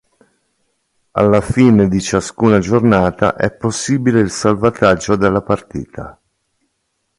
Alla fine di ciascuna giornata è possibile il salvataggio della partita.